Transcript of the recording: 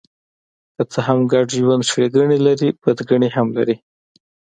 که څه هم ګډ ژوند ښېګڼې لري، بدګڼې هم لري.